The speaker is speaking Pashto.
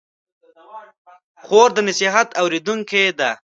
خور د نصیحت اورېدونکې ده.